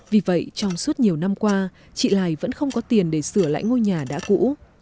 vì vậy trong suốt nhiều năm qua chị lài vẫn không có tiền để sửa lại ngôi nhà đã cũ